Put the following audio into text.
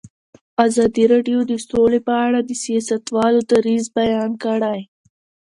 ازادي راډیو د سوله په اړه د سیاستوالو دریځ بیان کړی.